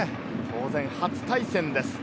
当然初対戦です。